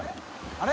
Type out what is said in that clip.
あれ？